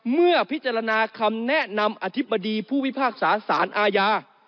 เมื่อพิจารณาคำแนะนำอธิบดีผู้พิพากษาสารอาญา